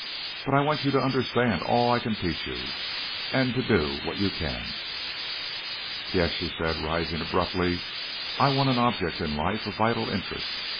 But I want you to understand all I can teach you and to do what you can." "Yes," she said, rising abruptly, "I want an object in life, a vital interest.